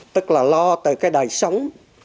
tức là lo tới cái đời sống